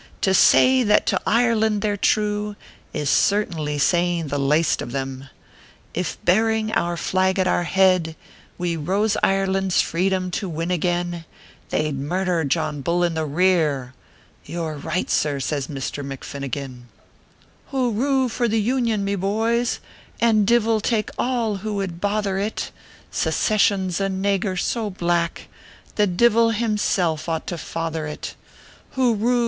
To say that to Ireland they re true Is certainly saying the laste of them. If, bearing our flag at our head, "We rose Ireland s freedom to win again, They d murther John Bull in the rear 1" "You re right, sir," says Misther McFinnigan, ORPHEUS C. KERR PAPERS. 153 " Hurroo ! for the Union, me boys, And divil take all who would bother it, Secession s a nagur so black The divil himself ought to father it ; Hurroo